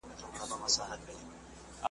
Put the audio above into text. زه مي د خیال په جنازه کي مرمه ,